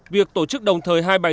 việc tổ chức đồng thời hai bài